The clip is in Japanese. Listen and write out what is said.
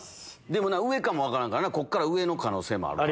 でも上かも分からんからなこっから上の可能性もある。